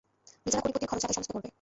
নিজেরা কড়িপাতির খরচ-আদায় সমস্ত করবে।